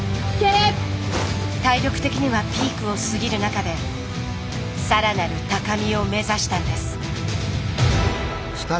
体力的にはピークを過ぎる中で更なる高みを目指したんです。